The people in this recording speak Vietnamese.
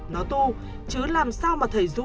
nó tu chứ làm sao mà thầy rụ